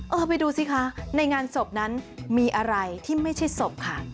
ไปดูสิคะในงานศพนั้นมีอะไรที่ไม่ใช่ศพค่ะ